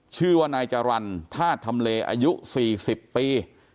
ชื่อว่านายจรรย์ธาตุทำเลอายุ๔๐ปี